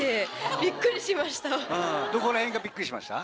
どこら辺がびっくりしました？